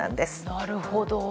なるほど。